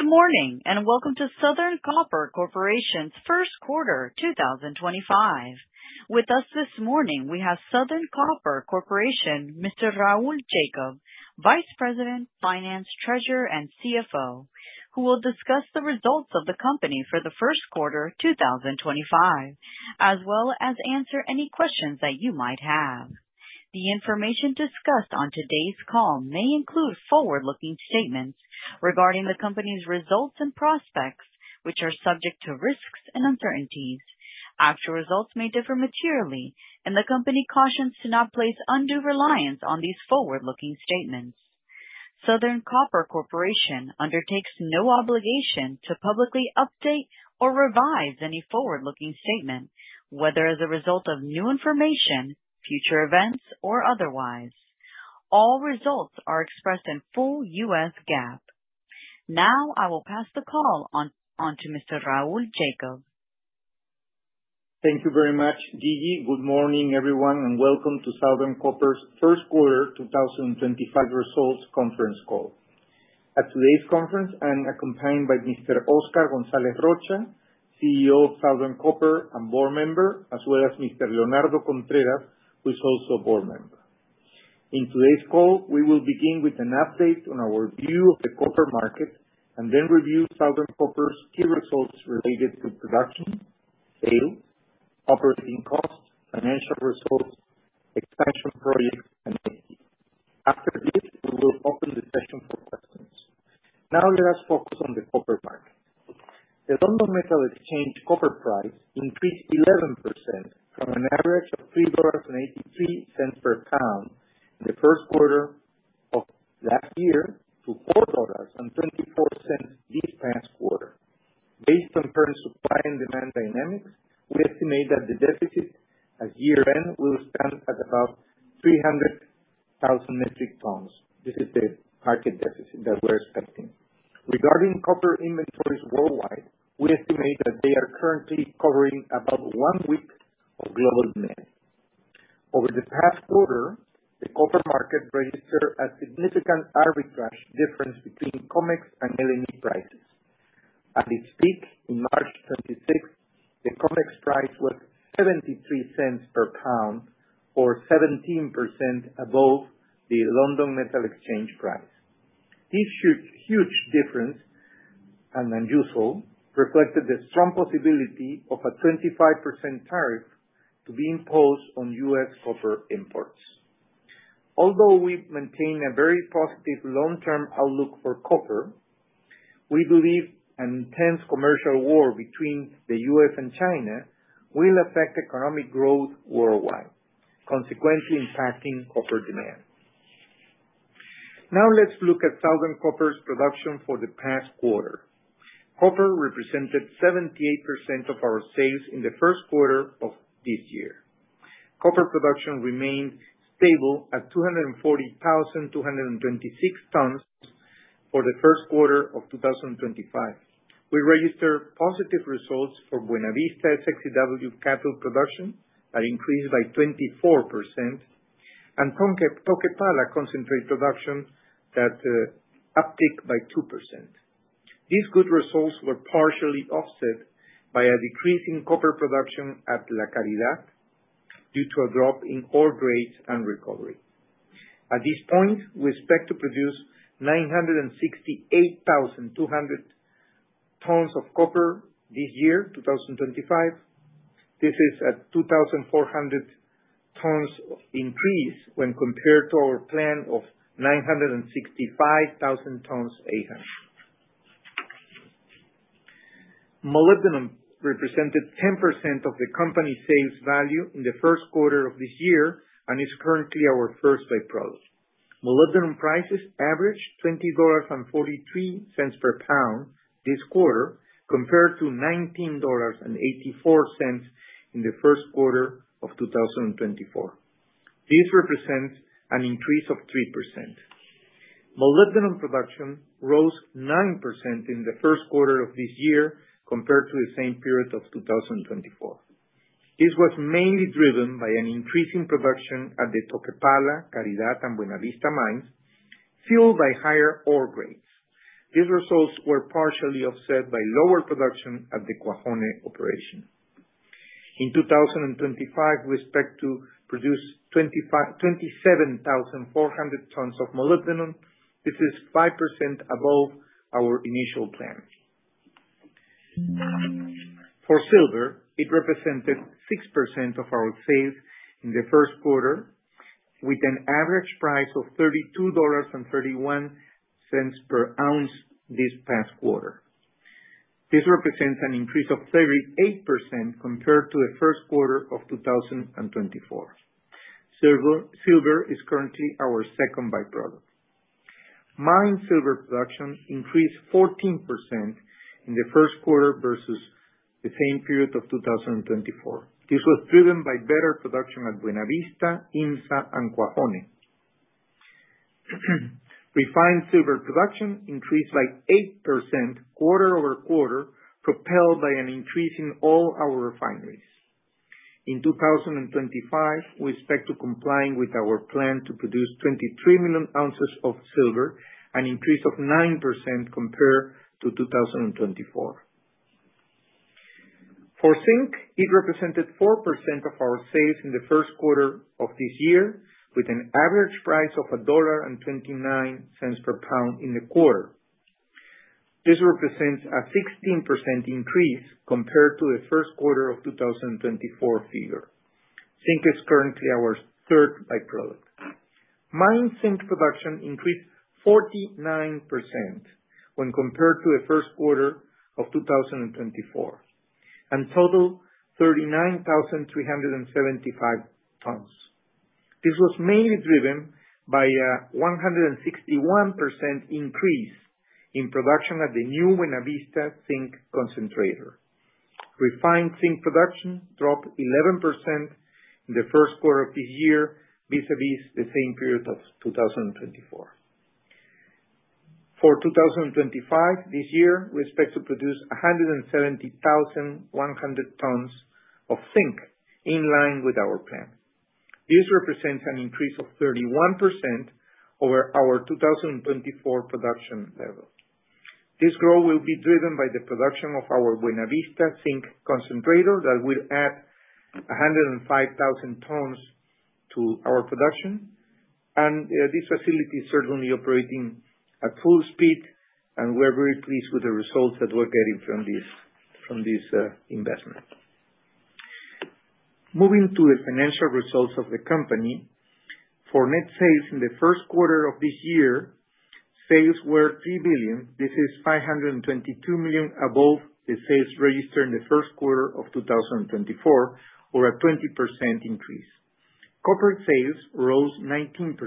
Good morning and welcome to Southern Copper Corporation's first quarter, 2025. With us this morning, we have Southern Copper Corporation Mr. Raul Jacob, Vice President, Finance, Treasurer, and CFO, who will discuss the results of the company for the first quarter, 2025, as well as answer any questions that you might have. The information discussed on today's call may include forward-looking statements regarding the company's results and prospects, which are subject to risks and uncertainties. Actual results may differ materially, and the company cautions to not place undue reliance on these forward-looking statements. Southern Copper Corporation undertakes no obligation to publicly update or revise any forward-looking statement, whether as a result of new information, future events, or otherwise. All results are expressed in full U.S. GAAP. Now, I will pass the call onto Mr. Raul Jacob. Thank you very much, Gigi. Good morning, everyone, and welcome to Southern Copper's first quarter 2025 results conference call. At today's conference, I'm accompanied by Mr. Oscar Gonzalez Rocha, CEO of Southern Copper and board member, as well as Mr. Leonardo Contreras, who is also a board member. In today's call, we will begin with an update on our view of the copper market and then review Southern Copper's key results related to production, sales, operating costs, financial results, expansion projects, and equity. After this, we will open the session for questions. Now, let us focus on the copper market. The London Metal Exchange copper price increased 11% from an average of $3.83 per pound in the first quarter of last year to $4.24 this past quarter. Based on current supply and demand dynamics, we estimate that the deficit at year-end will stand at about 300,000 metric tons. This is the market deficit that we're expecting. Regarding copper inventories worldwide, we estimate that they are currently covering about one week of global demand. Over the past quarter, the copper market registered a significant arbitrage difference between COMEX and LME prices. At its peak on March 26, the COMEX price was $0.73 per pound, or 17% above the London Metal Exchange price. This huge difference and unusual reflected the strong possibility of a 25% tariff to be imposed on U.S. copper imports. Although we maintain a very positive long-term outlook for copper, we believe an intense commercial war between the U.S. and China will affect economic growth worldwide, consequently impacting copper demand. Now, let's look at Southern Copper's production for the past quarter. Copper represented 78% of our sales in the first quarter of this year. Copper production remained stable at 240,226 tons for the first quarter of 2025. We registered positive results for Buena Vista SX-EW cathode production that increased by 24%, and Toquepala concentrate production that upticked by 2%. These good results were partially offset by a decrease in copper production at La Caridad due to a drop in ore rates and recovery. At this point, we expect to produce 968,200 tons of copper this year, 2025. This is a 2,400 tons increase when compared to our plan of 965,000 tons ahead. Molybdenum represented 10% of the company's sales value in the first quarter of this year and is currently our first by-product. Molybdenum prices averaged $20.43 per pound this quarter compared to $19.84 in the first quarter of 2024. This represents an increase of 3%. Molybdenum production rose 9% in the first quarter of this year compared to the same period of 2024. This was mainly driven by an increase in production at the Toquepala, La Caridad, and Buena Vista mines, fueled by higher ore rates. These results were partially offset by lower production at the Cuajone operation. In 2025, we expect to produce 27,400 tons of molybdenum. This is 5% above our initial plan. For silver, it represented 6% of our sales in the first quarter, with an average price of $32.31 per ounce this past quarter. This represents an increase of 38% compared to the first quarter of 2024. Silver is currently our second by-product. Mine silver production increased 14% in the first quarter versus the same period of 2024. This was driven by better production at Buena Vista, IMMSA, and Cuajone. Refined silver production increased by 8% quarter over quarter, propelled by an increase in all our refineries. In 2025, we expect to comply with our plan to produce 23 million ounces of silver, an increase of 9% compared to 2024. For zinc, it represented 4% of our sales in the first quarter of this year, with an average price of $1.29 per pound in the quarter. This represents a 16% increase compared to the first quarter of 2024 figure. Zinc is currently our third by-product. Mine zinc production increased 49% when compared to the first quarter of 2024 and totaled 39,375 tons. This was mainly driven by a 161% increase in production at the new Buena Vista zinc concentrator. Refined zinc production dropped 11% in the first quarter of this year vis-à-vis the same period of 2024. For 2025, this year, we expect to produce 170,100 tons of zinc in line with our plan. This represents an increase of 31% over our 2024 production level. This growth will be driven by the production of our Buena Vista zinc concentrator that will add 105,000 tons to our production. This facility is certainly operating at full speed, and we're very pleased with the results that we're getting from this investment. Moving to the financial results of the company. For net sales in the first quarter of this year, sales were $3 billion. This is $522 million above the sales registered in the first quarter of 2024, or a 20% increase. Copper sales rose 19%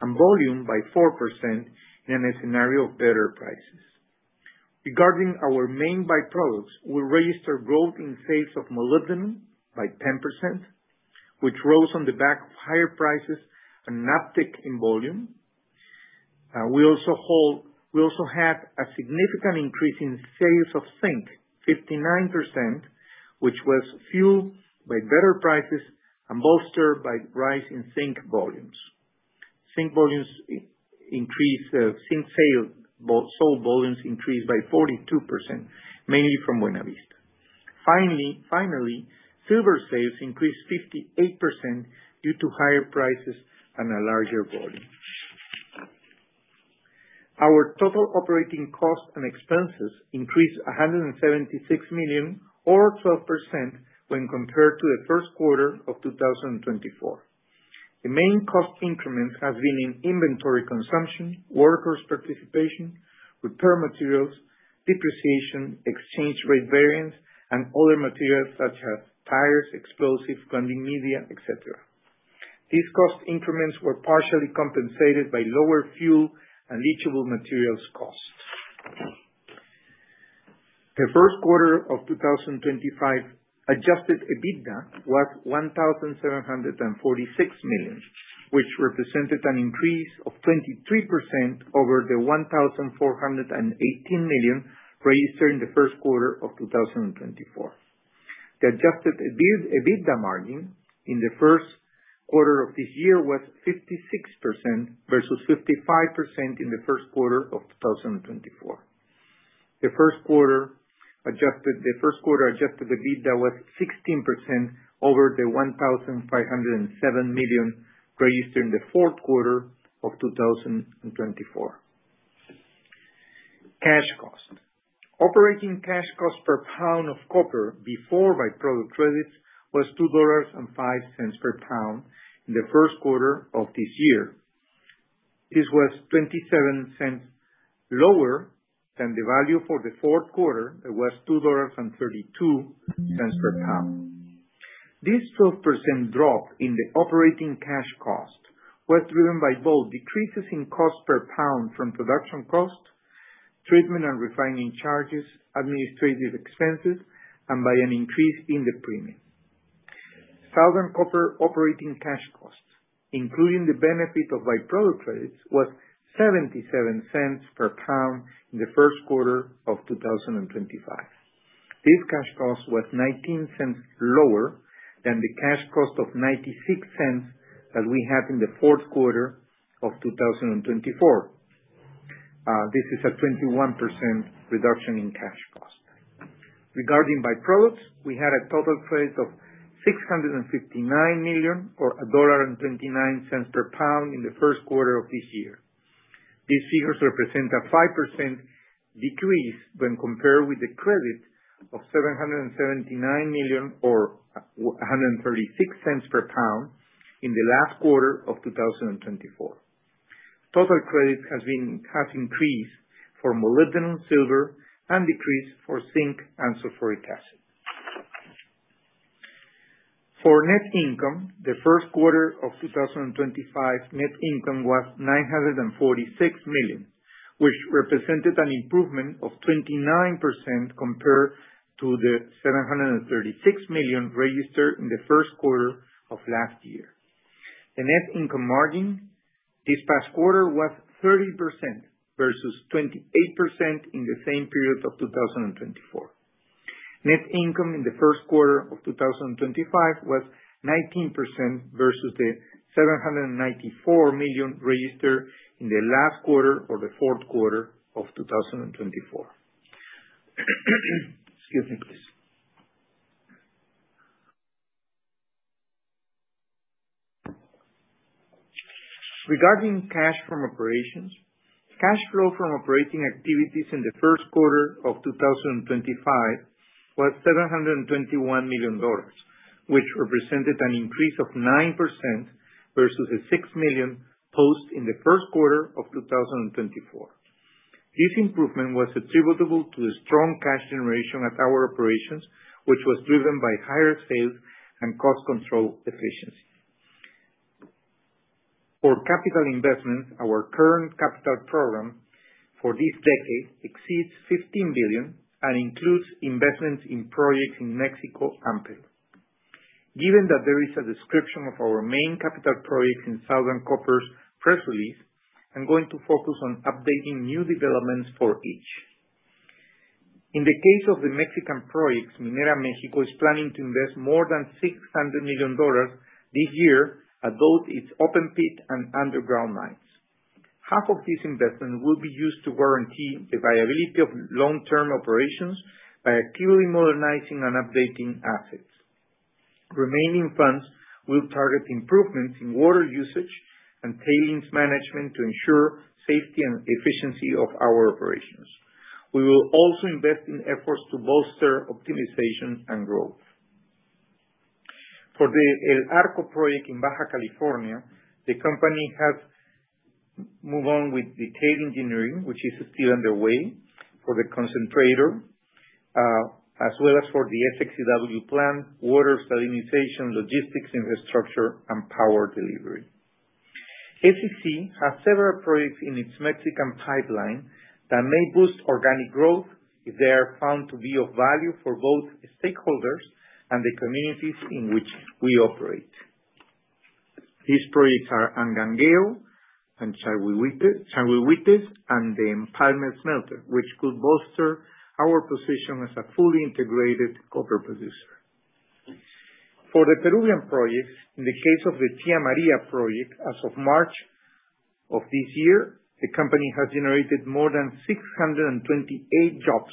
and volume by 4% in a scenario of better prices. Regarding our main by-products, we registered growth in sales of molybdenum by 10%, which rose on the back of higher prices and an uptick in volume. We also had a significant increase in sales of zinc, 59%, which was fueled by better prices and bolstered by a rise in zinc volumes. Zinc volumes increased, zinc sold volumes increased by 42%, mainly from Buena Vista. Finally, silver sales increased 58% due to higher prices and a larger volume. Our total operating costs and expenses increased $176 million, or 12%, when compared to the first quarter of 2024. The main cost increments have been in inventory consumption, workers' participation, repair materials, depreciation, exchange rate variance, and other materials such as tires, explosives, grinding media, etc. These cost increments were partially compensated by lower fuel and leachable materials costs. The first quarter of 2025 adjusted EBITDA was $1,746 million, which represented an increase of 23% over the $1,418 million registered in the first quarter of 2024. The adjusted EBITDA margin in the first quarter of this year was 56% versus 55% in the first quarter of 2024. The first quarter adjusted EBITDA was 16% over the $1,507 million registered in the fourth quarter of 2024. Cash cost. Operating cash cost per pound of copper before by-product credits was $2.05 per pound in the first quarter of this year. This was $0.27 lower than the value for the fourth quarter that was $2.32 per pound. This 12% drop in the operating cash cost was driven by both decreases in cost per pound from production cost, treatment and refining charges, administrative expenses, and by an increase in the premium. Southern Copper operating cash cost, including the benefit of by-product credits, was $0.77 per pound in the first quarter of 2025. This cash cost was $0.19 lower than the cash cost of $0.96 that we had in the fourth quarter of 2024. This is a 21% reduction in cash cost. Regarding by-products, we had a total credit of $659 million, or $1.29 per pound in the first quarter of this year. These figures represent a 5% decrease when compared with the credit of $779 million, or $1.36 per pound in the last quarter of 2024. Total credit has increased for molybdenum, silver and decreased for zinc and sulfuric acid. For net income, the first quarter of 2025 net income was $946 million, which represented an improvement of 29% compared to the $736 million registered in the first quarter of last year. The net income margin this past quarter was 30% versus 28% in the same period of 2024. Net income in the first quarter of 2025 was 19% versus the $794 million registered in the last quarter or the fourth quarter of 2024. Excuse me, please. Regarding cash from operations, cash flow from operating activities in the first quarter of 2025 was $721 million, which represented an increase of 9% versus the $661 million posted in the first quarter of 2024. This improvement was attributable to the strong cash generation at our operations, which was driven by higher sales and cost control efficiency. For capital investments, our current capital program for this decade exceeds $15 billion and includes investments in projects in Mexico and Peru. Given that there is a description of our main capital projects in Southern Copper's press release, I'm going to focus on updating new developments for each. In the case of the Mexican projects, Minera México is planning to invest more than $600 million this year at both its open pit and underground mines. Half of this investment will be used to guarantee the viability of long-term operations by actively modernizing and updating assets. Remaining funds will target improvements in water usage and tailings management to ensure safety and efficiency of our operations. We will also invest in efforts to bolster optimization and growth. For the El Arco project in Baja California, the company has moved on with the detailed engineering, which is still underway for the concentrator, as well as for the SX-EW plant, water salinization, logistics, infrastructure, and power delivery. Southern Copper Corporation has several projects in its Mexican pipeline that may boost organic growth if they are found to be of value for both stakeholders and the communities in which we operate. These projects are Angangueo, Chalchihuites, and the Empalme Smelter, which could bolster our position as a fully integrated copper producer. For the Peruvian projects, in the case of the Tía María project, as of March of this year, the company has generated more than 628 jobs.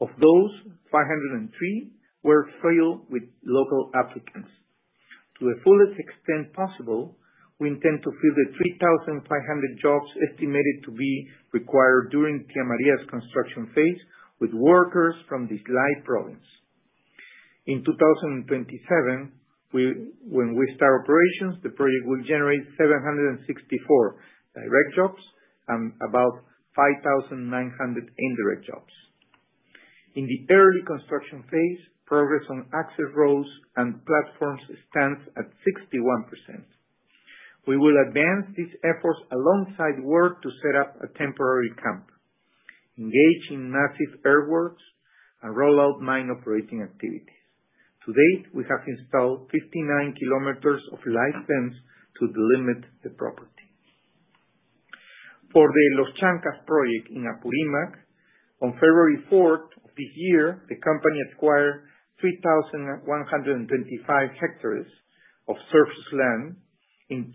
Of those, 503 were filled with local applicants. To the fullest extent possible, we intend to fill the 3,500 jobs estimated to be required during Tía María's construction phase with workers from the Islay province. In 2027, when we start operations, the project will generate 764 direct jobs and about 5,900 indirect jobs. In the early construction phase, progress on access roads and platforms stands at 61%. We will advance these efforts alongside work to set up a temporary camp, engage in massive earthworks, and roll out mine operating activities. To date, we have installed 59 kilometers of light fence to delimit the property. For the Los Chancas project in Apurímac, on February 4th of this year, the company acquired 3,125 hectares of surface land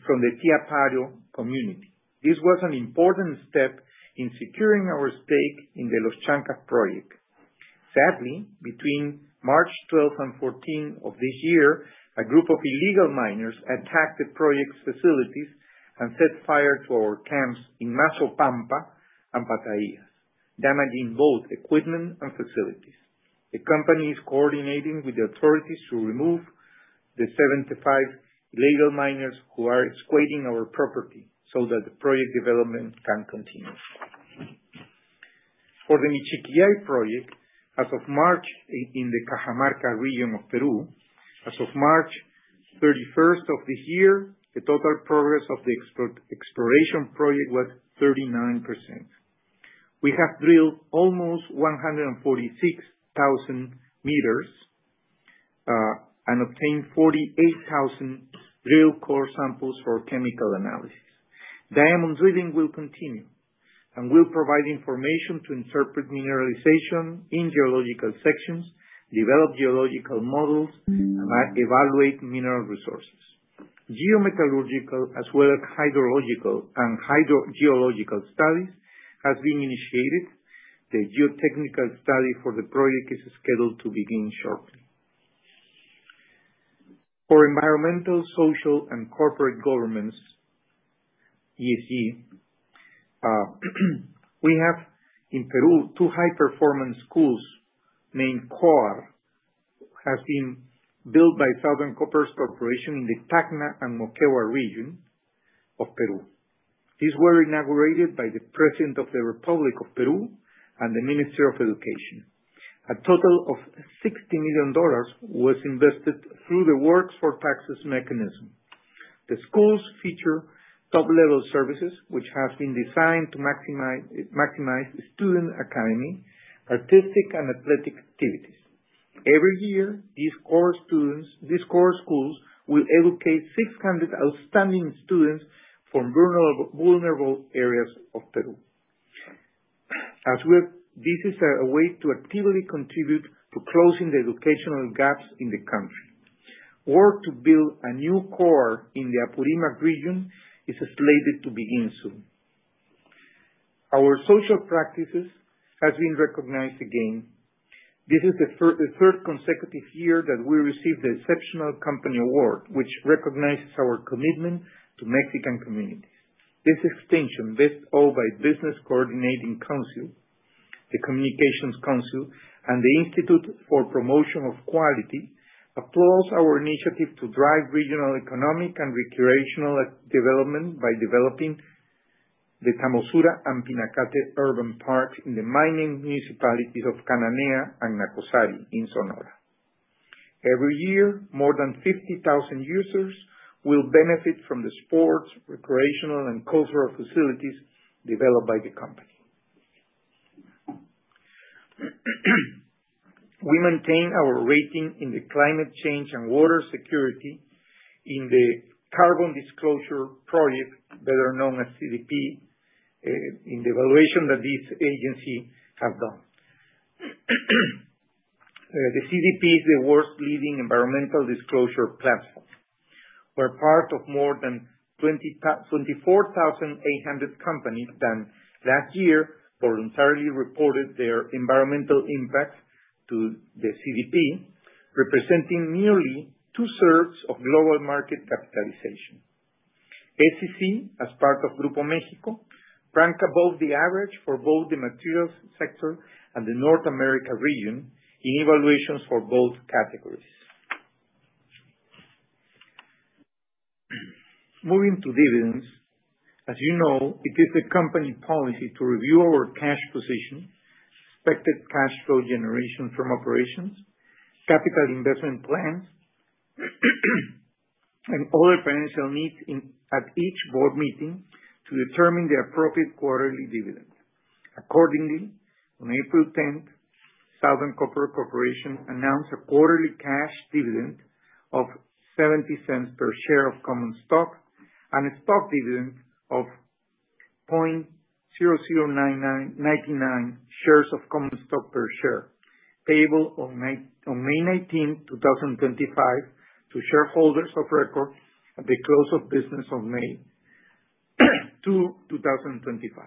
from the Tíaparo community. This was an important step in securing our stake in the Los Chancas project. Sadly, between March 12th and 14th of this year, a group of illegal miners attacked the project's facilities and set fire to our camps in Mazopampa and Patahías, damaging both equipment and facilities. The company is coordinating with the authorities to remove the 75 illegal miners who are exploiting our property so that the project development can continue. For the Michiquillay project, as of March in the Cajamarca region of Peru, as of March 31st of this year, the total progress of the exploration project was 39%. We have drilled almost 146,000 meters and obtained 48,000 drill core samples for chemical analysis. Diamond drilling will continue and will provide information to interpret mineralization in geological sections, develop geological models, and evaluate mineral resources. Geometallurgical, as well as hydrological and hydrogeological studies have been initiated. The geotechnical study for the project is scheduled to begin shortly. For environmental, social, and corporate governance, ESG, we have in Peru two high-performance schools named COAR, which have been built by Southern Copper Corporation in the Tacna and Moquegua region of Peru. These were inaugurated by the President of the Republic of Peru and the Ministry of Education. A total of $60 million was invested through the works for taxes mechanism. The schools feature top-level services, which have been designed to maximize the student academic, artistic, and athletic activities. Every year, these COAR schools will educate 600 outstanding students from vulnerable areas of Peru. As we have, this is a way to actively contribute to closing the educational gaps in the country. Work to build a new COAR in the Apurímac region is slated to begin soon. Our social practices have been recognized again. This is the third consecutive year that we received the Exceptional Company Award, which recognizes our commitment to Mexican communities. This distinction, bestowed by the Business Coordinating Council, the Communications Council, and the Institute for Promotion of Quality, applauds our initiative to drive regional economic and recreational development by developing the Tamosura and Pinacate urban parks in the mining municipalities of Cananea and Nacozari in Sonora. Every year, more than 50,000 users will benefit from the sports, recreational, and cultural facilities developed by the company. We maintain our rating in the climate change and water security in the Carbon Disclosure Project, better known as CDP, in the evaluation that this agency has done. The CDP is the world's leading environmental disclosure platform, where part of more than 24,800 companies that last year voluntarily reported their environmental impact to the CDP, representing nearly two-thirds of global market capitalization. SCC, as part of Grupo México, ranked above the average for both the materials sector and the North America region in evaluations for both categories. Moving to dividends, as you know, it is the company policy to review our cash position, expected cash flow generation from operations, capital investment plans, and other financial needs at each board meeting to determine the appropriate quarterly dividend. Accordingly, on April 10th, Southern Copper Corporation announced a quarterly cash dividend of $0.70 per share of common stock and a stock dividend of 0.0099 shares of common stock per share, payable on May 19th, 2025, to shareholders of record at the close of business of May 2, 2025.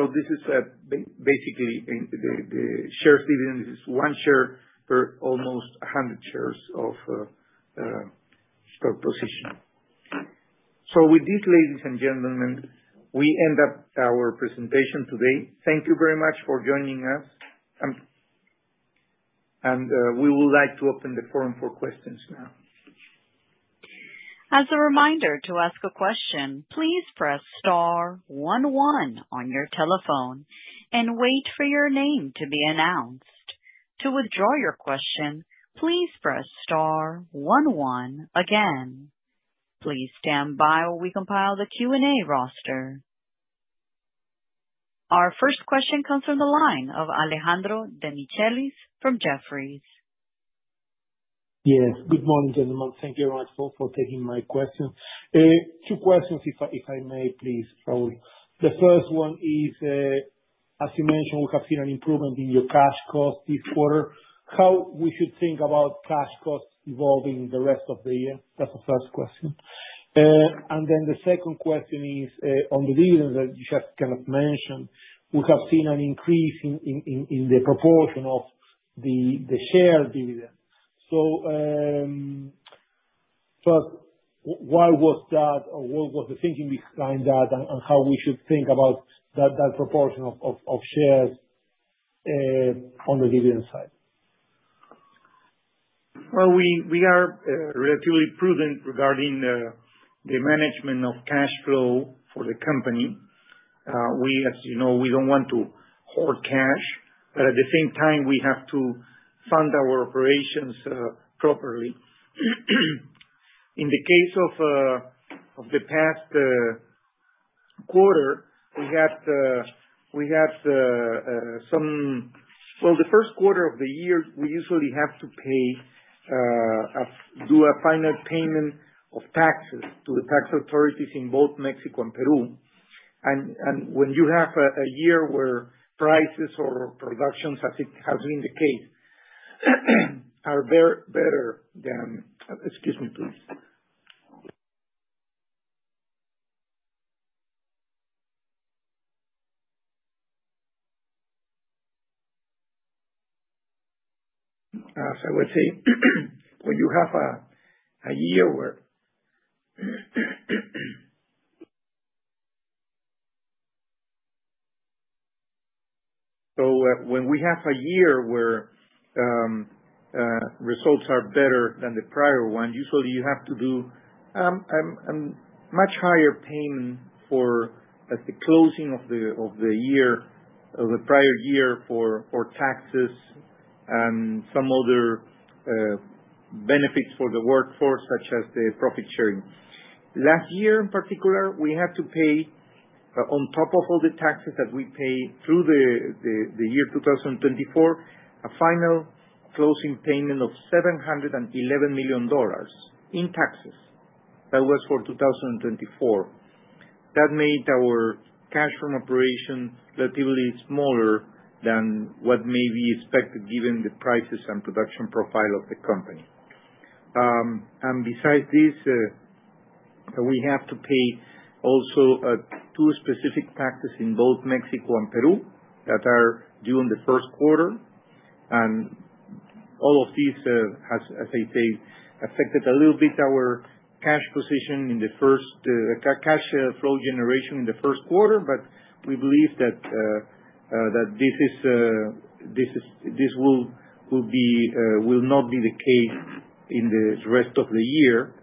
This is basically the shares dividend. This is one share per almost 100 shares of stock position. With this, ladies and gentlemen, we end up our presentation today. Thank you very much for joining us, and we would like to open the forum for questions now. As a reminder to ask a question, please press star 11 on your telephone and wait for your name to be announced. To withdraw your question, please press star 11 again. Please stand by while we compile the Q&A roster. Our first question comes from the line of Alejandro Demichelis from Jefferies. Yes. Good morning, gentlemen. Thank you so much for taking my question. Two questions, if I may, please, Raul. The first one is, as you mentioned, we have seen an improvement in your cash cost this quarter. How should we think about cash costs evolving the rest of the year? That's the first question. The second question is on the dividends that you just kind of mentioned. We have seen an increase in the proportion of the share dividend. First, why was that, or what was the thinking behind that, and how should we think about that proportion of shares on the dividend side? We are relatively prudent regarding the management of cash flow for the company. We, as you know, we do not want to hoard cash, but at the same time, we have to fund our operations properly. In the case of the past quarter, we had some—the first quarter of the year, we usually have to do a final payment of taxes to the tax authorities in both Mexico and Peru. When you have a year where prices or productions, as it has been the case, are better than—excuse me, please. As I was saying, when you have a year where—so when we have a year where results are better than the prior one, usually you have to do a much higher payment for the closing of the prior year for taxes and some other benefits for the workforce, such as the profit sharing. Last year, in particular, we had to pay, on top of all the taxes that we pay through the year 2024, a final closing payment of $711 million in taxes that was for 2024. That made our cash from operation relatively smaller than what may be expected given the prices and production profile of the company. Besides this, we have to pay also two specific taxes in both Mexico and Peru that are due in the first quarter. All of these has, as I say, affected a little bit our cash position in the first—cash flow generation in the first quarter, but we believe that this will not be the case in the rest of the year,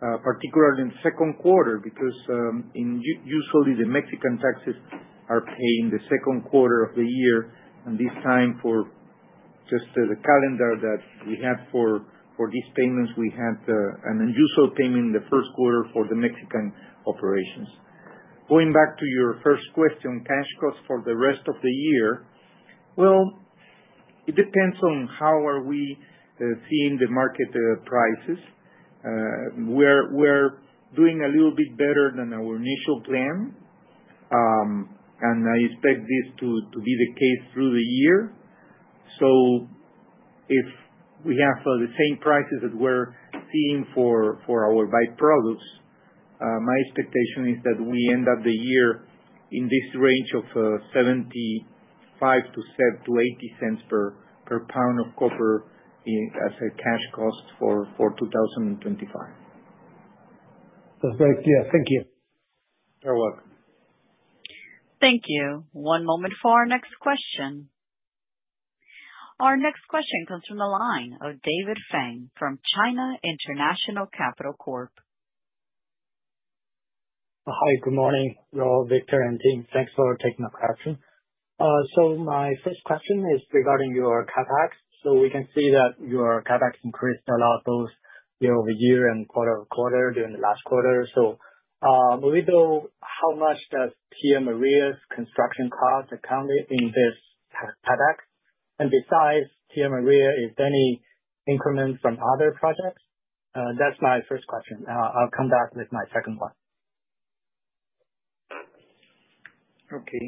particularly in the second quarter, because usually the Mexican taxes are paid in the second quarter of the year. At this time, for just the calendar that we had for these payments, we had an unusual payment in the first quarter for the Mexican operations. Going back to your first question, cash costs for the rest of the year, it depends on how we are seeing the market prices. We're doing a little bit better than our initial plan, and I expect this to be the case through the year. If we have the same prices that we're seeing for our byproducts, my expectation is that we end up the year in this range of $0.75-$0.80 per pound of copper as a cash cost for 2025. Perfect. Yes. Thank you. You're welcome. Thank you. One moment for our next question. Our next question comes from the line of David Feng from China International Capital Corp. Hi. Good morning, Raul, Victor, and team. Thanks for taking the question. My first question is regarding your CapEx. We can see that your CapEx increased a lot both year over year and quarter over quarter during the last quarter. Would we know how much does Tía María's construction cost accounted in this CapEx? Besides Tía María, is there any increment from other projects? That's my first question. I'll come back with my second one. Okay.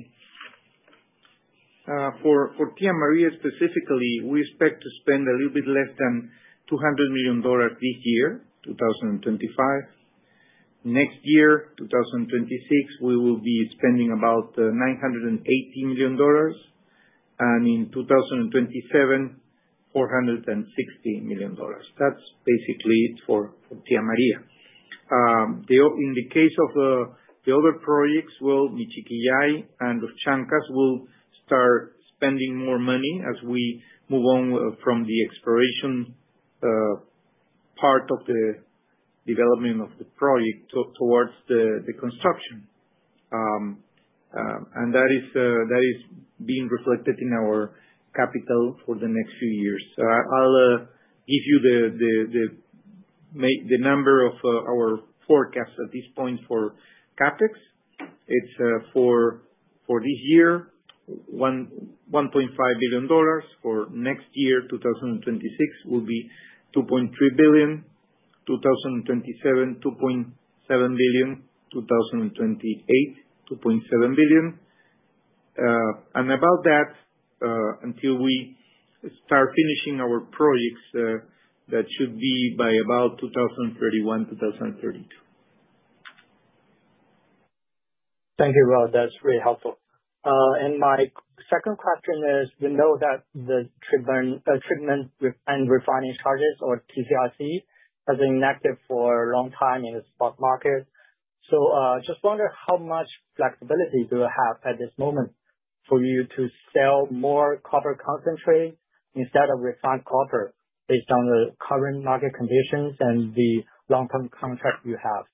For Tía María specifically, we expect to spend a little bit less than $200 million this year, 2025. Next year, 2026, we will be spending about $980 million, and in 2027, $460 million. That's basically it for Tía María. In the case of the other projects, Michiquillay and Los Chancas will start spending more money as we move on from the exploration part of the development of the project towards the construction. That is being reflected in our capital for the next few years. I'll give you the number of our forecast at this point for CapEx. It's for this year, $1.5 billion. For next year, 2026, will be $2.3 billion, 2027, $2.7 billion, 2028, $2.7 billion. About that, until we start finishing our projects, that should be by about 2031, 2032. Thank you, Raul. That's really helpful. My second question is, we know that the treatment and refining charges, or TC/RC, have been negative for a long time in the spot market. I just wonder how much flexibility do you have at this moment for you to sell more copper concentrate instead of refined copper based on the current market conditions and the long-term contract you have?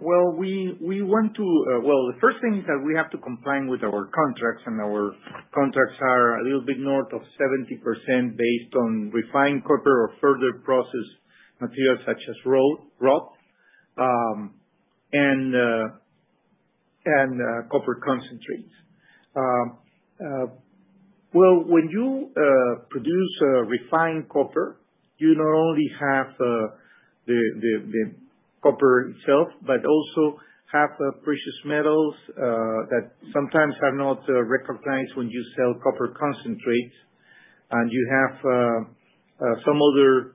We want to—the first thing is that we have to comply with our contracts, and our contracts are a little bit north of 70% based on refined copper or further processed materials such as rock and copper concentrates. When you produce refined copper, you not only have the copper itself but also have precious metals that sometimes are not recognized when you sell copper concentrates, and you have some other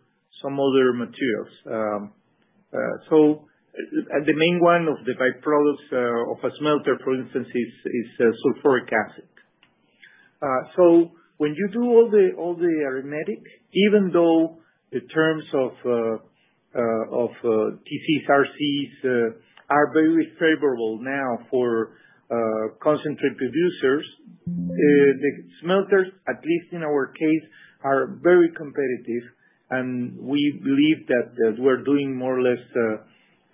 materials. The main one of the byproducts of a smelter, for instance, is sulfuric acid. When you do all the arithmetics, even though the terms of TCs/RCs are very favorable now for concentrate producers, the smelters, at least in our case, are very competitive. We believe that we are doing more or less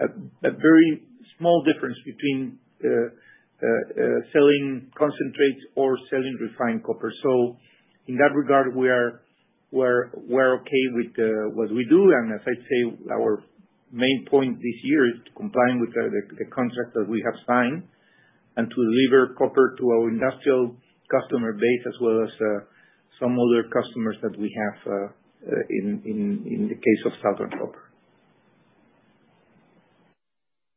a very small difference between selling concentrates or selling refined copper. In that regard, we are okay with what we do. As I say, our main point this year is to comply with the contract that we have signed and to deliver copper to our industrial customer base as well as some other customers that we have in the case of Southern Copper.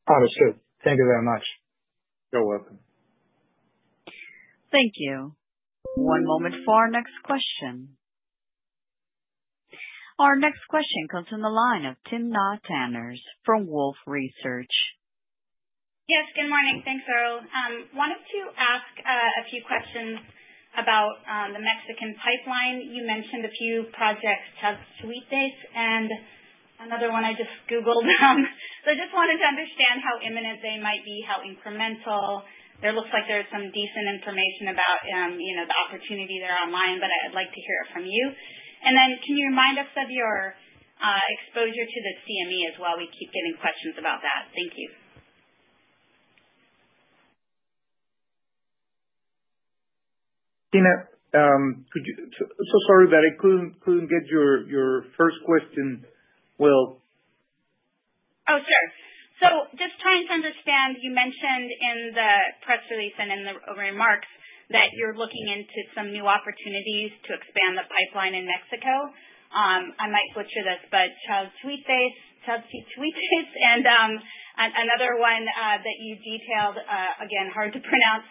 Understood. Thank you very much. You're welcome. Thank you. One moment for our next question. Our next question comes from the line of Timna Tanners for Wolfe Research. Yes. Good morning. Thanks, Raul. I wanted to ask a few questions about the Mexican pipeline. You mentioned a few projects, Chalchihuites, and another one I just googled. I just wanted to understand how imminent they might be, how incremental. It looks like there's some decent information about the opportunity there online, but I'd like to hear it from you. Can you remind us of your exposure to the CME as well? We keep getting questions about that. Thank you. Tina, so sorry that I couldn't get your first question. Oh, sure. Just trying to understand, you mentioned in the press release and in the remarks that you're looking into some new opportunities to expand the pipeline in Mexico. I might butcher this, but Chalchihuites, Chalchihuites. And another one that you detailed, again, hard to pronounce.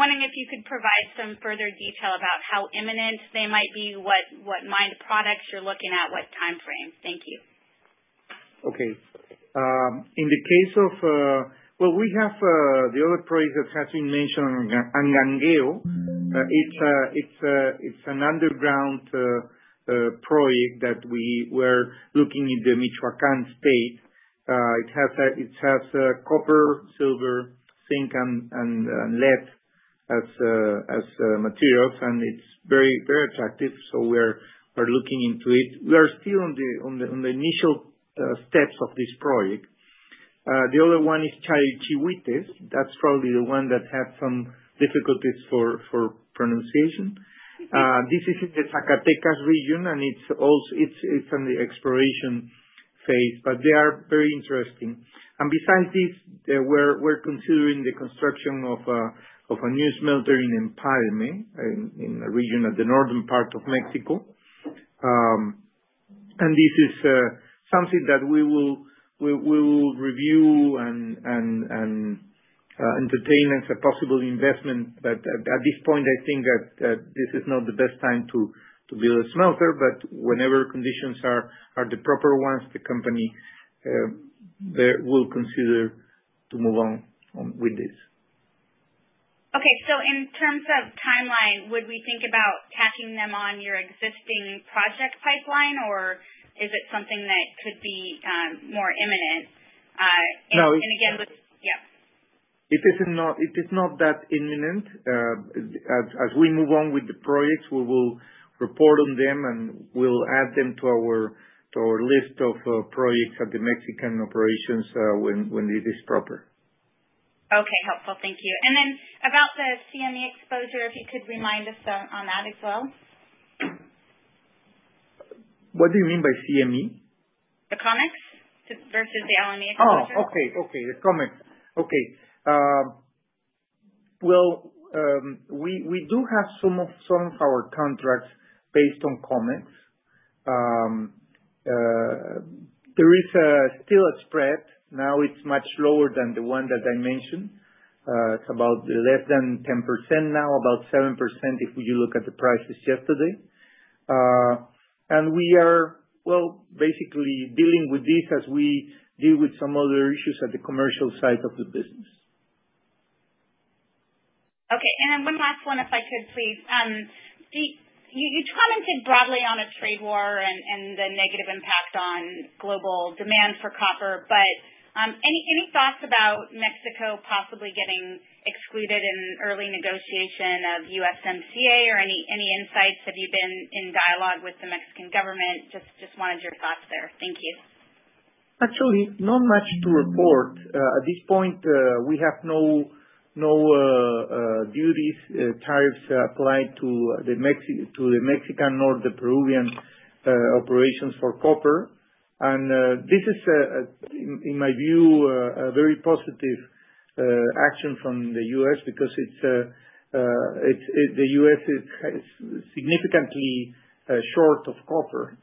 Wondering if you could provide some further detail about how imminent they might be, what mine products you're looking at, what time frame. Thank you. In the case of, we have the other project that has been mentioned, Angangueo. It's an underground project that we're looking in the Michoacán state. It has copper, silver, zinc, and lead as materials, and it's very attractive. We're looking into it. We are still on the initial steps of this project. The other one is Chalchihuites. That's probably the one that had some difficulties for pronunciation. This is in the Zacatecas region, and it's in the exploration phase, but they are very interesting. Besides this, we're considering the construction of a new smelter in Empalme, in a region at the northern part of Mexico. This is something that we will review and entertain as a possible investment. At this point, I think that this is not the best time to build a smelter, but whenever conditions are the proper ones, the company will consider to move on with this. Okay. In terms of timeline, would we think about tacking them on your existing project pipeline, or is it something that could be more imminent? It is not that imminent. As we move on with the projects, we will report on them, and we'll add them to our list of projects at the Mexican operations when it is proper. Okay. Helpful. Thank you. And then about the CME exposure, if you could remind us on that as well. What do you mean by CME? The COMEX versus the LME exposure. Oh, okay. Okay. The COMEX. Okay. We do have some of our contracts based on COMEX. There is still a spread. Now it's much lower than the one that I mentioned. It's about less than 10% now, about 7% if you look at the prices yesterday. We are, basically, dealing with this as we deal with some other issues at the commercial side of the business. Okay. And then one last one, if I could, please. You commented broadly on a trade war and the negative impact on global demand for copper, but any thoughts about Mexico possibly getting excluded in early negotiation of USMCA or any insights? Have you been in dialogue with the Mexican government? Just wanted your thoughts there. Thank you. Actually, not much to report. At this point, we have no duties, tariffs applied to the Mexican or the Peruvian operations for copper. This is, in my view, a very positive action from the U.S. because the U.S. is significantly short of copper.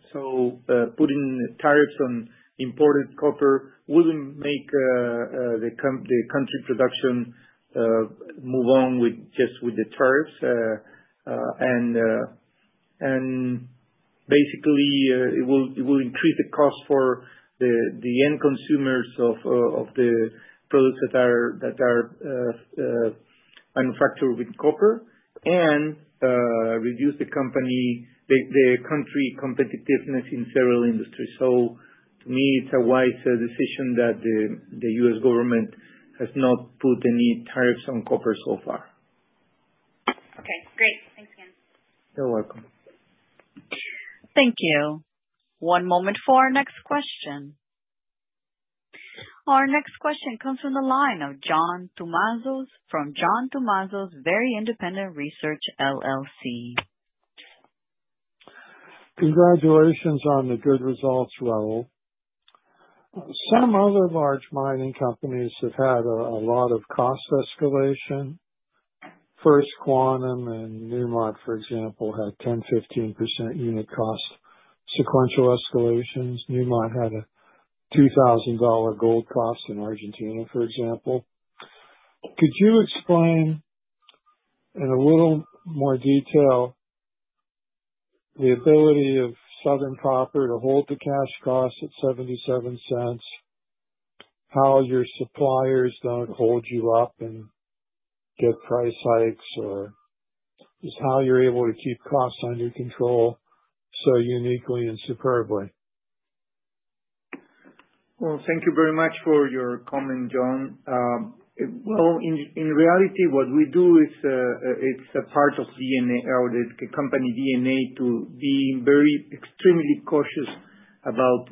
Putting tariffs on imported copper would not make the country production move on just with the tariffs. Basically, it will increase the cost for the end consumers of the products that are manufactured with copper and reduce the country competitiveness in several industries. To me, it's a wise decision that the U.S. government has not put any tariffs on copper so far. Okay. Great. Thanks again. You're welcome. Thank you. One moment for our next question. Our next question comes from the line of John Tumazos from John Tumazos Very Independent Research LLC. Congratulations on the good results, Raul. Some other large mining companies have had a lot of cost escalation. First Quantum and Newmont, for example, had 10-15% unit cost sequential escalations. Newmont had a $2,000 gold cost in Argentina, for example. Could you explain in a little more detail the ability of Southern Copper to hold the cash cost at $0.77, how your suppliers don't hold you up and get price hikes, or just how you're able to keep costs under control so uniquely and superbly? Thank you very much for your comment, John. In reality, what we do is it's a part of the company DNA to be extremely cautious about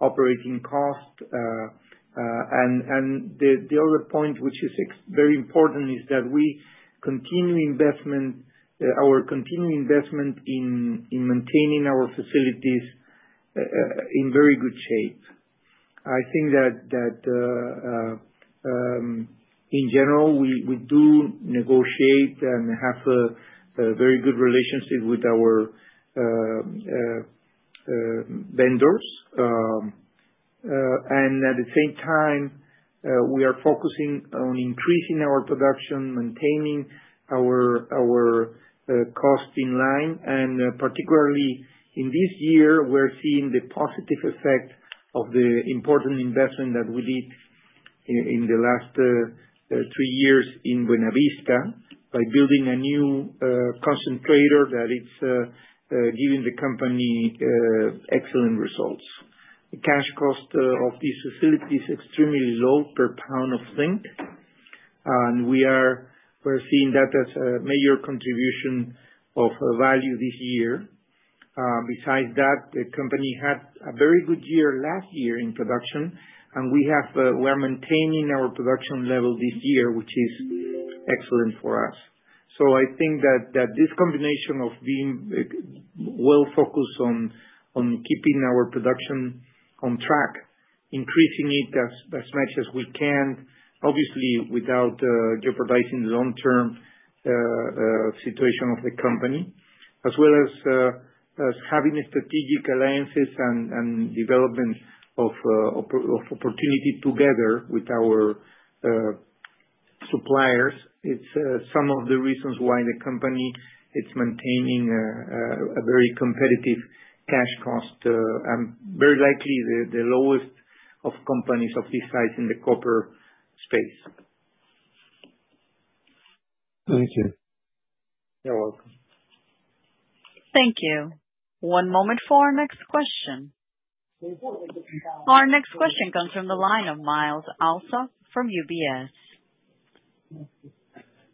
operating costs. The other point, which is very important, is that we continue investment, our continued investment in maintaining our facilities in very good shape. I think that in general, we do negotiate and have a very good relationship with our vendors. At the same time, we are focusing on increasing our production, maintaining our cost in line. Particularly in this year, we're seeing the positive effect of the important investment that we did in the last three years in Buena Vista by building a new concentrator that is giving the company excellent results. The cash cost of these facilities is extremely low per pound of zinc. We are seeing that as a major contribution of value this year. Besides that, the company had a very good year last year in production, and we are maintaining our production level this year, which is excellent for us. I think that this combination of being well focused on keeping our production on track, increasing it as much as we can, obviously without jeopardizing the long-term situation of the company, as well as having strategic alliances and development of opportunity together with our suppliers, is some of the reasons why the company is maintaining a very competitive cash cost and very likely the lowest of companies of this size in the copper space. Thank you. You're welcome. Thank you. One moment for our next question. Our next question comes from the line of Myles Allsop from UBS.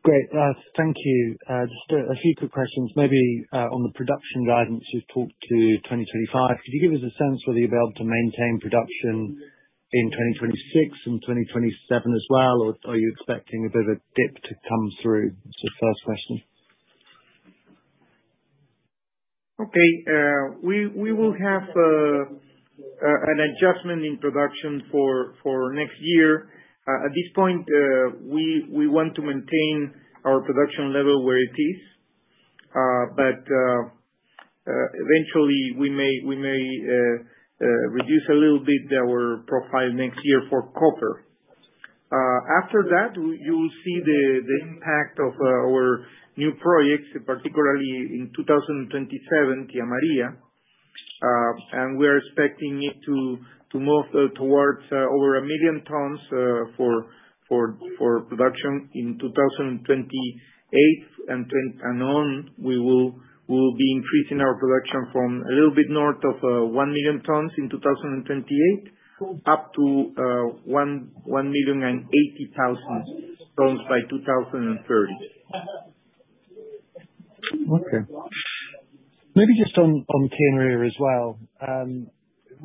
Great. Thank you. Just a few quick questions. Maybe on the production guidance you've talked to 2025, could you give us a sense whether you'll be able to maintain production in 2026 and 2027 as well, or are you expecting a bit of a dip to come through? It's the first question. Okay. We will have an adjustment in production for next year. At this point, we want to maintain our production level where it is, but eventually, we may reduce a little bit our profile next year for copper. After that, you will see the impact of our new projects, particularly in 2027, Tía María. We are expecting it to move towards over a million tons for production in 2028. We will be increasing our production from a little bit north of one million tons in 2028 up to 1,080,000 tons by 2030. Okay. Maybe just on Tía María as well.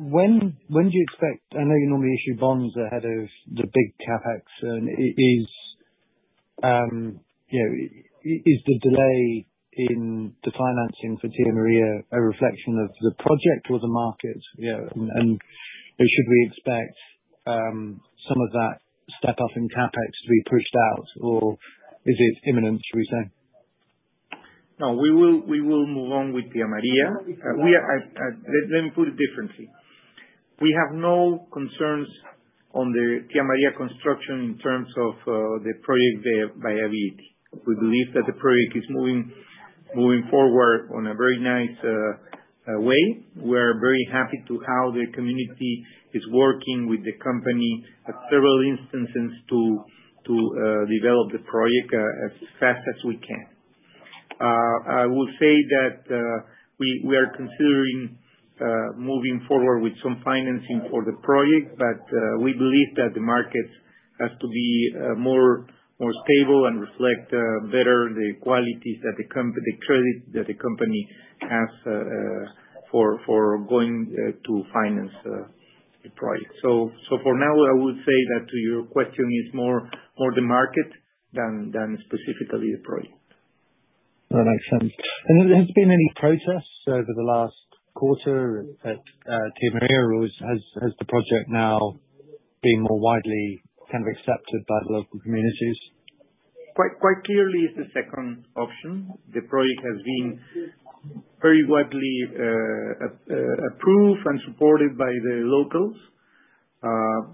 When do you expect, I know you normally issue bonds ahead of the big CapEx. Is the delay in the financing for Tía María a reflection of the project or the market? Should we expect some of that step-up in CapEx to be pushed out, or is it imminent, should we say? No, we will move on with Tía María. Let me put it differently. We have no concerns on the Tía María construction in terms of the project viability. We believe that the project is moving forward in a very nice way. We are very happy to how the community is working with the company at several instances to develop the project as fast as we can. I will say that we are considering moving forward with some financing for the project, but we believe that the market has to be more stable and reflect better the qualities that the credit that the company has for going to finance the project. For now, I would say that to your question is more the market than specifically the project. That makes sense. Has there been any protests over the last quarter at Tía María, or has the project now been more widely kind of accepted by the local communities? Quite clearly, it's the second option. The project has been very widely approved and supported by the locals.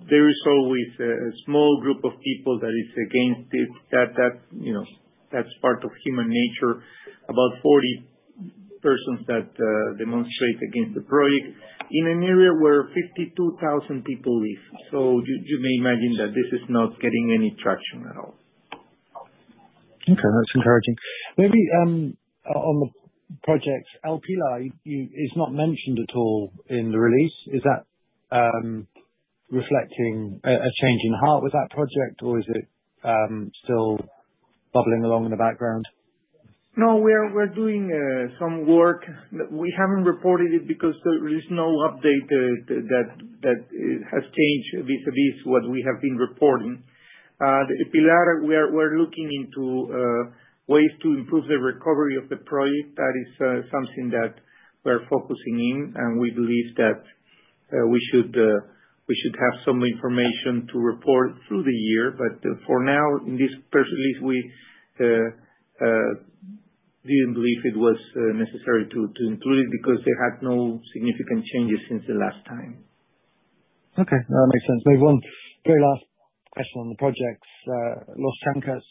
There is always a small group of people that is against it. That's part of human nature. About 40 persons that demonstrate against the project in an area where 52,000 people live. You may imagine that this is not getting any traction at all. Okay. That's encouraging. Maybe on the project, El Pilar is not mentioned at all in the release. Is that reflecting a change in heart with that project, or is it still bubbling along in the background? No, we're doing some work. We haven't reported it because there is no update that has changed vis-à-vis what we have been reporting. At El Pilar, we're looking into ways to improve the recovery of the project. That is something that we're focusing in, and we believe that we should have some information to report through the year. For now, in this special release, we didn't believe it was necessary to include it because they had no significant changes since the last time. Okay. That makes sense. Maybe one very last question on the projects. Los Chancas,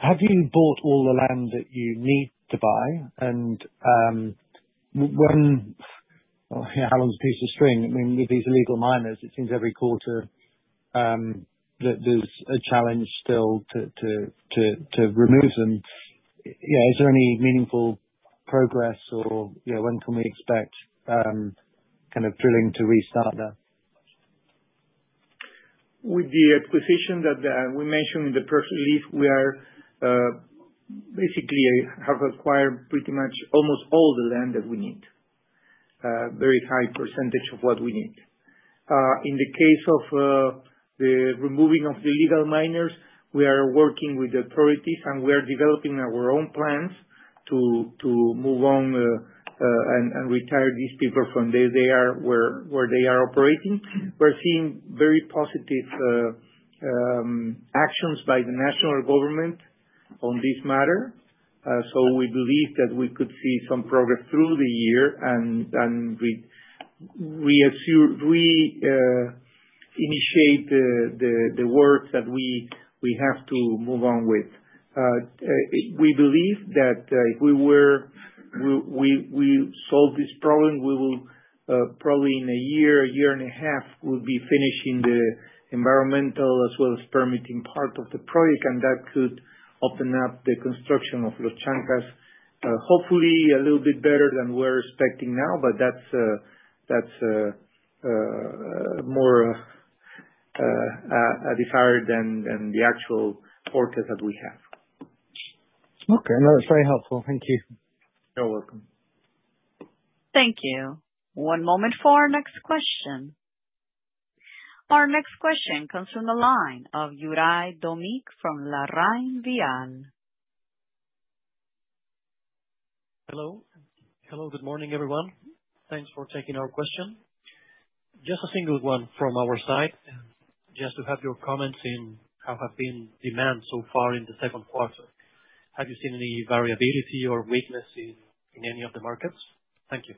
have you bought all the land that you need to buy? And how long is a piece of string? I mean, with these illegal miners, it seems every quarter there's a challenge still to remove them. Yeah. Is there any meaningful progress, or when can we expect kind of drilling to restart there? With the acquisition that we mentioned in the press release, we basically have acquired pretty much almost all the land that we need, a very high percentage of what we need. In the case of the removing of the illegal miners, we are working with the authorities, and we are developing our own plans to move on and retire these people from where they are operating. We're seeing very positive actions by the national government on this matter. We believe that we could see some progress through the year, and we initiate the work that we have to move on with. We believe that if we solve this problem, we will probably in a year, a year and a half, we'll be finishing the environmental as well as permitting part of the project, and that could open up the construction of Los Chancas, hopefully a little bit better than we're expecting now, but that's more a desire than the actual forecast that we have. Okay. No, that's very helpful. Thank you. You're welcome. Thank you. One moment for our next question. Our next question comes from the line of Juraj Domic from LarrainVial. Hello. Hello. Good morning, everyone. Thanks for taking our question. Just a single one from our side. Just to have your comments in how have been demand so far in the second quarter. Have you seen any variability or weakness in any of the markets? Thank you.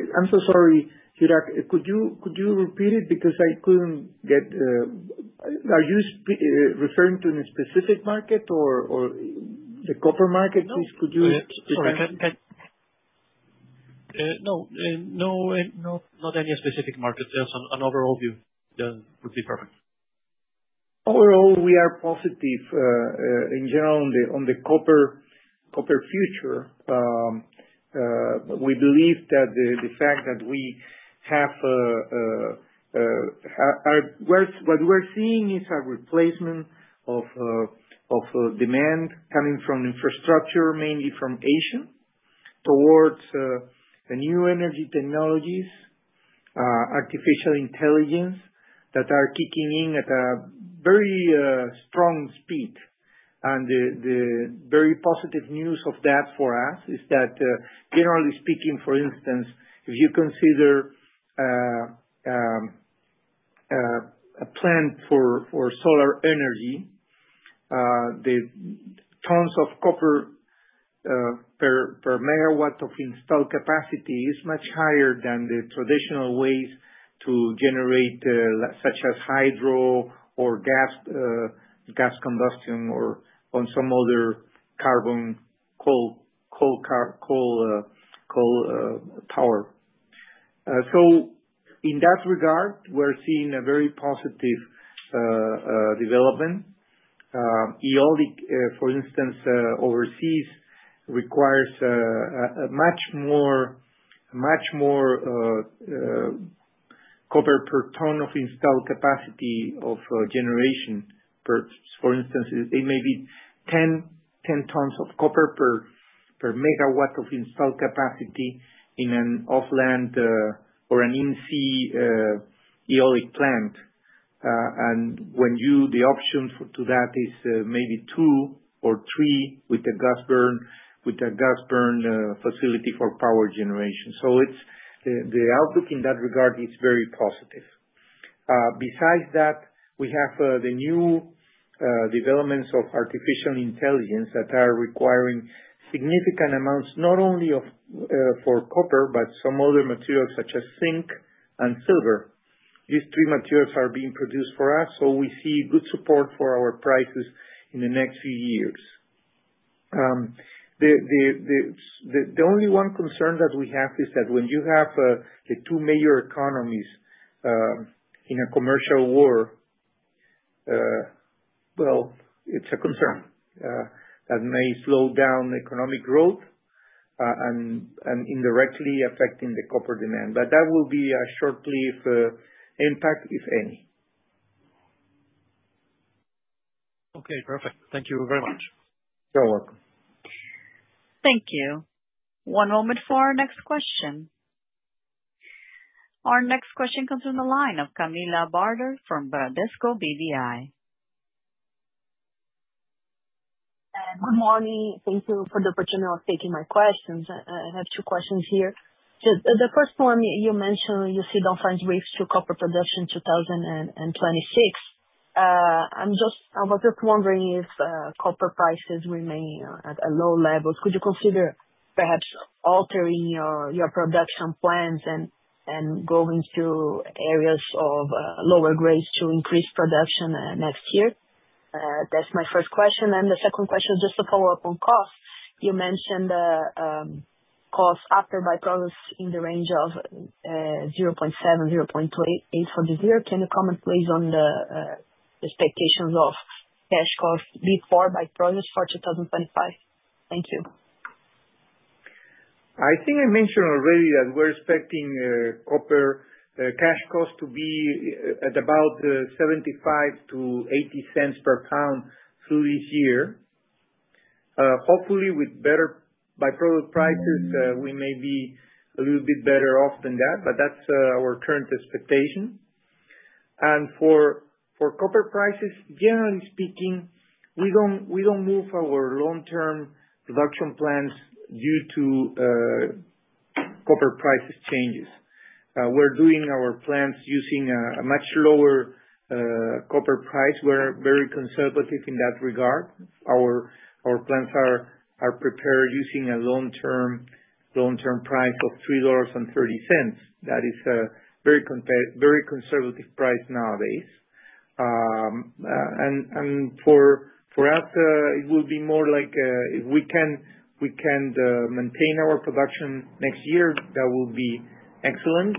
I'm so sorry, Juraj. Could you repeat it because I couldn't get? Are you referring to a specific market or the copper market? Could you? Sorry. No. No, not any specific market. Just an overall view would be perfect. Overall, we are positive in general on the copper future. We believe that the fact that we have what we're seeing is a replacement of demand coming from infrastructure, mainly from Asia, towards the new energy technologies, artificial intelligence that are kicking in at a very strong speed. The very positive news of that for us is that, generally speaking, for instance, if you consider a plant for solar energy, the tons of copper per megawatt of installed capacity is much higher than the traditional ways to generate, such as hydro or gas combustion or some other carbon coal power. In that regard, we're seeing a very positive development. Eolic, for instance, overseas requires much more copper per ton of installed capacity of generation. For instance, it may be 10 tons of copper per megawatt of installed capacity in an offland or an in-sea eolic plant. When you the option to that is maybe two or three with a gas burn facility for power generation. The outlook in that regard is very positive. Besides that, we have the new developments of artificial intelligence that are requiring significant amounts, not only for copper, but some other materials such as zinc and silver. These three materials are being produced for us, so we see good support for our prices in the next few years. The only one concern that we have is that when you have the two major economies in a commercial war, it is a concern that may slow down economic growth and indirectly affecting the copper demand. That will be a short-lived impact, if any. Okay. Perfect. Thank you very much. You're welcome. Thank you. One moment for our next question. Our next question comes from the line of Camilla Barter from Bradesco BBI. Good morning. Thank you for the opportunity of taking my questions. I have two questions here. The first one, you mentioned you see downsides raised to copper production 2026. I was just wondering if copper prices remain at a low level. Could you consider perhaps altering your production plans and going to areas of lower grades to increase production next year? That's my first question. The second question is just to follow up on cost. You mentioned cost after byproducts in the range of $0.70-$0.28 for this year. Can you comment, please, on the expectations of cash cost before byproducts for 2025? Thank you. I think I mentioned already that we're expecting copper cash cost to be at about $0.75-$0.80 per pound through this year. Hopefully, with better byproduct prices, we may be a little bit better off than that, but that's our current expectation. For copper prices, generally speaking, we do not move our long-term production plans due to copper price changes. We are doing our plans using a much lower copper price. We are very conservative in that regard. Our plans are prepared using a long-term price of $3.30. That is a very conservative price nowadays. For us, it will be more like if we can maintain our production next year, that will be excellent.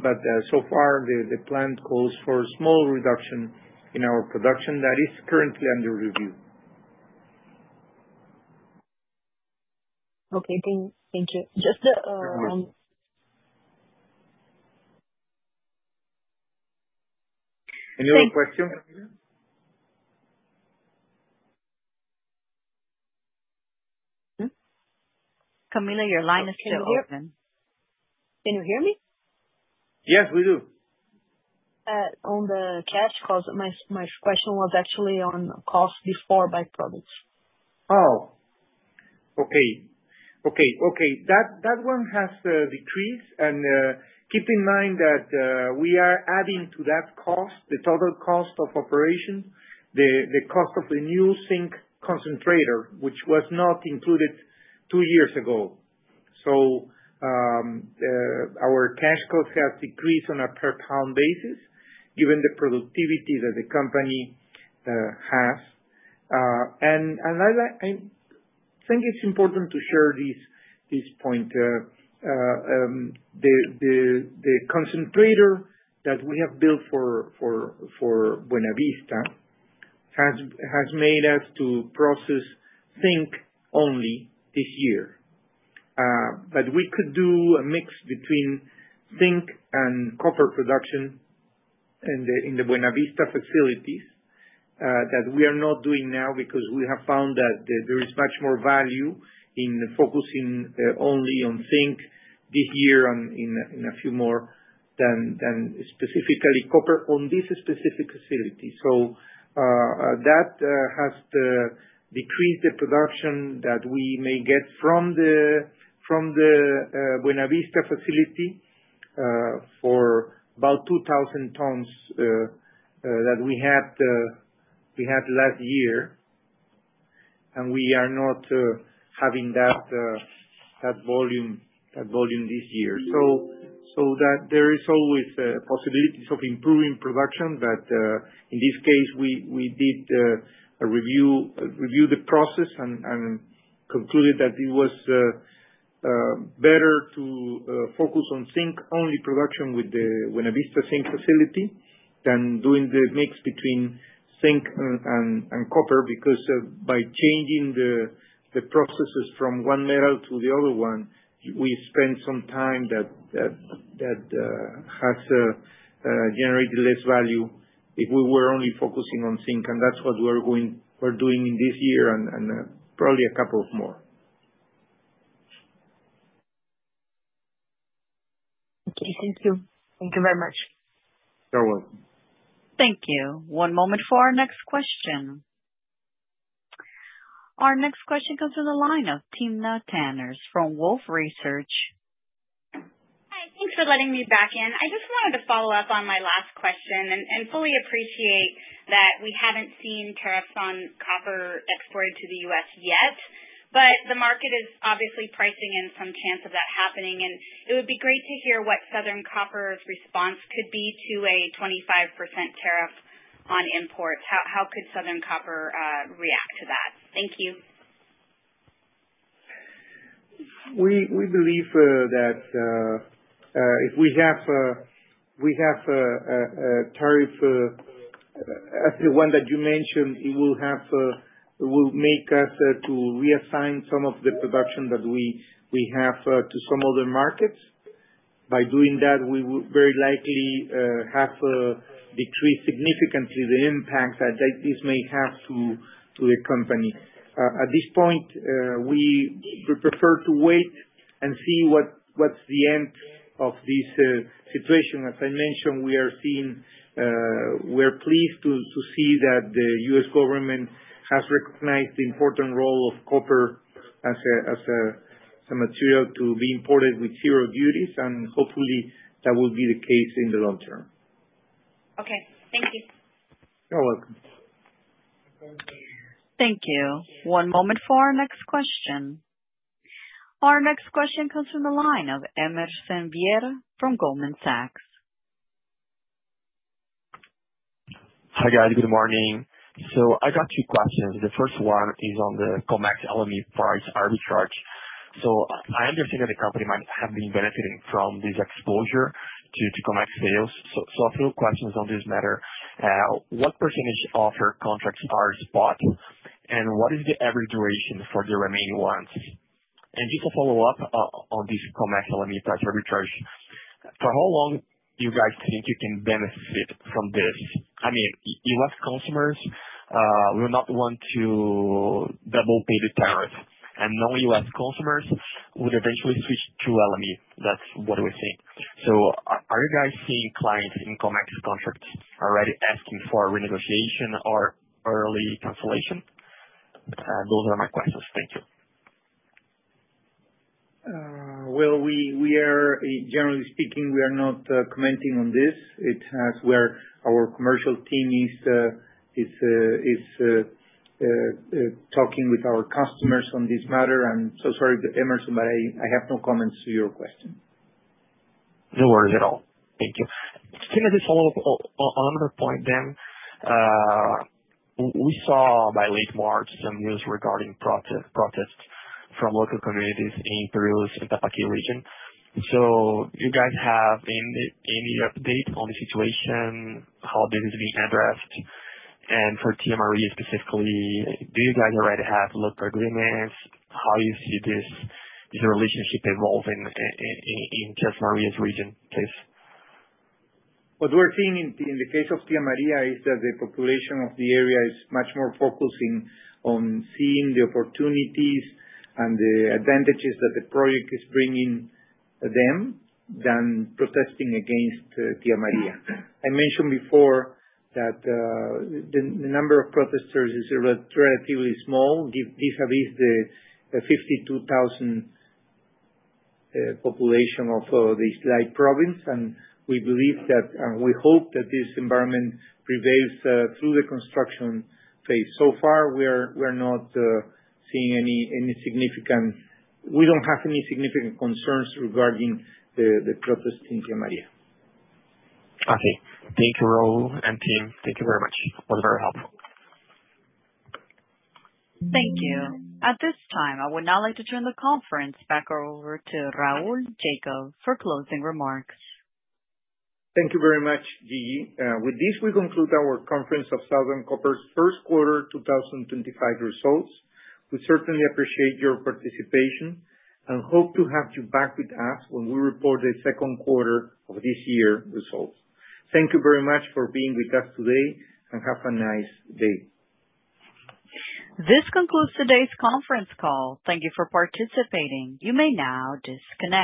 So far, the plan calls for a small reduction in our production that is currently under review. Thank you. Any other questions? Camilla? Camilla? Your line is still open. Can you hear me? Yes, we do. On the cash cost, my question was actually on cost before byproducts. Okay. That one has decreased. Keep in mind that we are adding to that cost, the total cost of operations, the cost of the new zinc concentrator, which was not included two years ago. Our cash cost has decreased on a per-pound basis, given the productivity that the company has. I think it's important to share this point. The concentrator that we have built for Buena Vista has made us process zinc only this year. We could do a mix between zinc and copper production in the Buena Vista facilities that we are not doing now because we have found that there is much more value in focusing only on zinc this year and in a few more than specifically copper on this specific facility. That has decreased the production that we may get from the Buena Vista facility for about 2,000 tons that we had last year. We are not having that volume this year. There is always possibilities of improving production, but in this case, we did a review of the process and concluded that it was better to focus on zinc-only production with the Buena Vista zinc facility than doing the mix between zinc and copper because by changing the processes from one metal to the other one, we spend some time that has generated less value if we were only focusing on zinc. That is what we are doing this year and probably a couple more. Okay. Thank you. Thank you very much. You're welcome. Thank you. One moment for our next question. Our next question comes from the line of Timna Tanners from Wolfe Research. Hi. Thanks for letting me back in. I just wanted to follow up on my last question and fully appreciate that we haven't seen tariffs on copper exported to the U.S. yet, but the market is obviously pricing in some chance of that happening. It would be great to hear what Southern Copper's response could be to a 25% tariff on imports. How could Southern Copper react to that? Thank you. We believe that if we have a tariff, the one that you mentioned, it will make us reassign some of the production that we have to some other markets. By doing that, we will very likely have decreased significantly the impact that this may have to the company. At this point, we prefer to wait and see what is the end of this situation. As I mentioned, we are pleased to see that the U.S. government has recognized the important role of copper as a material to be imported with zero duties, and hopefully, that will be the case in the long term. Okay. Thank you. You're welcome. Thank you. One moment for our next question. Our next question comes from the line of Emerson Vieira from Goldman Sachs. Hi, guys. Good morning. I got two questions. The first one is on the COMEX LME price arbitrage. I understand that the company might have been benefiting from this exposure to COMEX sales. A few questions on this matter. What percentage of your contracts are spot, and what is the average duration for the remaining ones? Just to follow up on this COMEX LME price arbitrage, for how long do you guys think you can benefit from this? I mean, US customers will not want to double pay the tariff, and non-US customers would eventually switch to LME. That's what we think. Are you guys seeing clients in COMEX contracts already asking for renegotiation or early cancellation? Those are my questions. Thank you. Generally speaking, we are not commenting on this. It is where our commercial team is talking with our customers on this matter. Sorry, Emerson, but I have no comments to your question. No worries at all. Thank you. Just to follow up on the point, we saw by late March some news regarding protests from local communities in Peru, Arequipa region. So, do you guys have any update on the situation, how this is being addressed? For Tía María specifically, do you guys already have local agreements? How do you see this relationship evolving in Tía María's region, please? What we're seeing in the case of Tía María is that the population of the area is much more focusing on seeing the opportunities and the advantages that the project is bringing to them than protesting against Tía María. I mentioned before that the number of protesters is relatively small, vis-à-vis the 52,000 population of the Islay province. We believe that, and we hope that this environment prevails through the construction phase. So far, we are not seeing any significant—we do not have any significant concerns regarding the protests in Tía María. I see. Thank you, Raul and team. Thank you very much. It was very helpful. Thank you. At this time, I would now like to turn the conference back over to Raul Jacob for closing remarks. Thank you very much, Gigi. With this, we conclude our conference of Southern Copper's first quarter 2025 results. We certainly appreciate your participation and hope to have you back with us when we report the second quarter of this year's results. Thank you very much for being with us today, and have a nice day. This concludes today's conference call. Thank you for participating. You may now disconnect.